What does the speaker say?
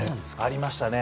ありましたね。